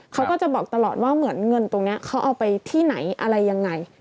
เขาก็จะบอกตลอดว่าเหมือนเงินตรงนี้เขาเอาไปที่ไหนอะไรยังไง